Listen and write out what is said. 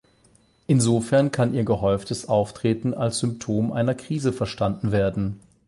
Insofern kann ihr gehäuftes Auftreten als Symptom einer Krise verstanden werden.